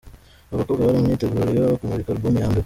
Aba bakobwa bari mu myiteguro yo kumurika album ya mbere.